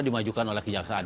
dimajukan oleh kejaksaan